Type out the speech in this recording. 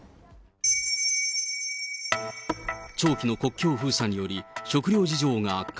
長期の国境封鎖により、食料事情が悪化。